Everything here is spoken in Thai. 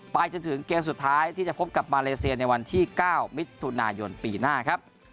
ไปจนถึงเกมสุดท้ายที่จะพบกับมาเลเซียในวันที่๙มิถุนายนปีหน้าครับ